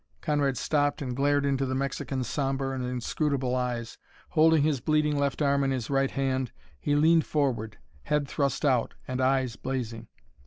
Conrad stopped and glared into the Mexican's sombre and inscrutable eyes. Holding his bleeding left arm in his right hand he leaned forward, head thrust out and eyes blazing.